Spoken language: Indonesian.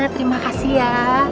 terima kasih ya